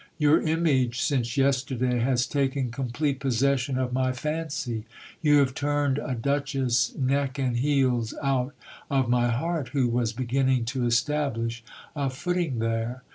Your image, since yesterday, has taken complete possession of my fancy ; you have turned a duchess neck and heels out of my heart, who was beginning to establish a footing there.